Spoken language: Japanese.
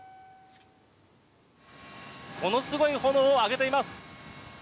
ものすごい炎を上げています。